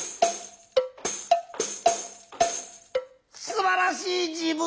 すばらしい自分！